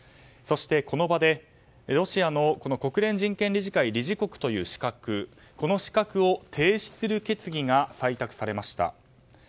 そしてこの場で、ロシアの国連人権理事会理事国という資格を停止する決議が採択されました。